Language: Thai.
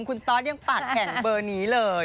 คุณตอสยังปากแข็งเบอร์นี้เลย